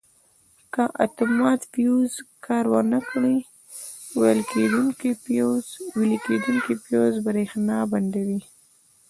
که اتومات فیوز کار ور نه کړي ویلې کېدونکی فیوز برېښنا بندوي.